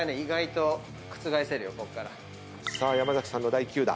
山崎さんの第９打。